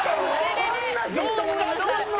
・どうした！？